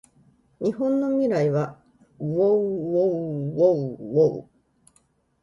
日本の未来はうぉううぉううぉううぉう